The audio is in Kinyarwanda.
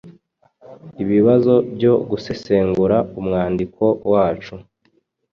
Ibibazo byo gusesengura umwandiko wacu